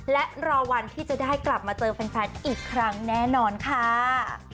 และรอวันที่จะได้กลับมาเจอแฟนอีกครั้งแน่นอนค่ะ